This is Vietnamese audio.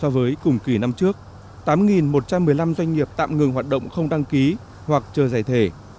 so với cùng kỳ năm trước tám một trăm một mươi năm doanh nghiệp tạm ngừng hoạt động không đăng ký hoặc chờ giải thể